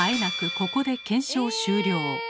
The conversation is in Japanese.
ここで検証終了。